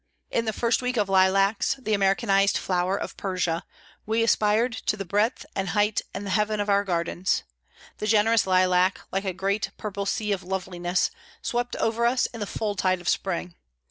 In the first week of lilacs, the Americanised flower of Persia, we aspired to the breadth and height and the heaven of our gardens. The generous lilac, like a great purple sea of loveliness, swept over us in the full tide of spring.